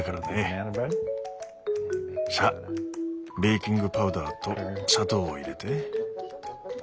さあベーキングパウダーと砂糖を入れて。